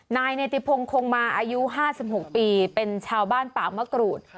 นายเนติพงศ์คงมาอายุ๕๖ปีเป็นชาวบ้านปากมะกรูด